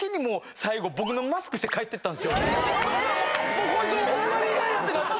もうこいつホンマに嫌やってなって。